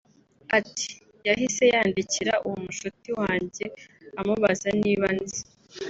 Ati “Yahise yandikira uwo mushuti wanjye amubaza niba anzi